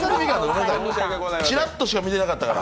ちらっとしか見てなかったから。